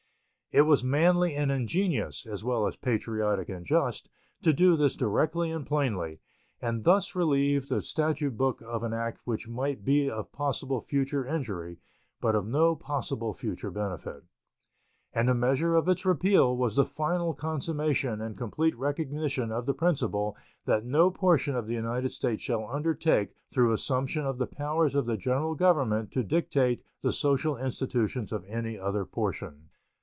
It was manly and ingenuous, as well as patriotic and just, to do this directly and plainly, and thus relieve the statute book of an act which might be of possible future injury, but of no possible future benefit; and the measure of its repeal was the final consummation and complete recognition of the principle that no portion of the United States shall undertake through assumption of the powers of the General Government to dictate the social institutions of any other portion.